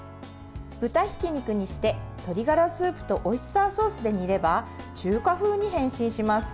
豚ひき肉にして鶏がらスープとオイスターソースで煮れば中華風に変身します。